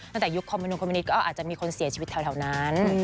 ตั้งแต่ยุคคมนุมคมนิตก็อาจจะมีคนเสียชีวิตแถวนั้น